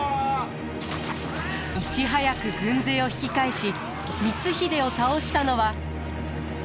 いち早く軍勢を引き返し光秀を倒したのは。